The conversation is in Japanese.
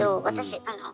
私